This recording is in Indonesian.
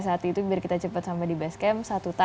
sesaat lagi dalam insight